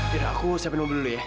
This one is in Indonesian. mira aku siapin mobil dulu ya